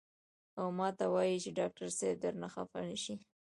او ماته وائي چې ډاکټر صېب درنه خفه نشي " ـ